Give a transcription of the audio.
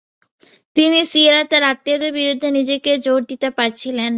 তিনি সিরিয়ায় তার আত্মীয়দের বিরুদ্ধে নিজেকে জোর দিতে পারছিলেন না।